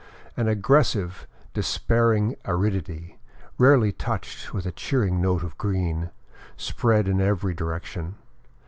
An aggres sive, despairing aridity, rarely touched with a cheering note of green, spread in every direction.